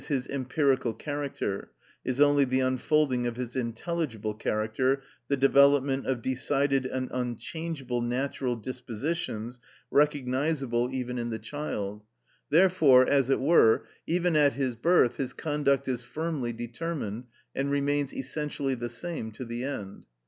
_, his empirical character, is only the unfolding of his intelligible character, the development of decided and unchangeable natural dispositions recognisable even in the child; therefore, as it were, even at his birth his conduct is firmly determined, and remains essentially the same to the end.